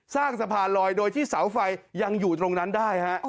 สร้างสะพานลอยโดยที่เสาไฟยังอยู่ตรงนั้นได้ฮะ